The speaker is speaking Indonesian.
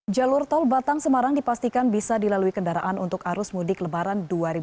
jalur tol batang semarang dipastikan bisa dilalui kendaraan untuk arus mudik lebaran dua ribu dua puluh